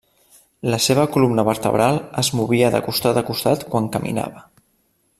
La seva columna vertebral es movia de costat a costat quan caminava.